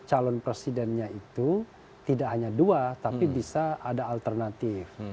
calon presidennya itu tidak hanya dua tapi bisa ada alternatif